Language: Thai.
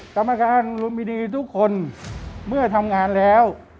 กรรมการลุมพินีทุกคนเมื่อทำงานแล้ว